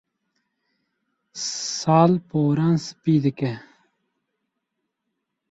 Sal poran spî dike.